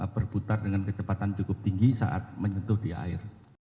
berputar dengan kecepatan cukup tinggi saat menyentuh di air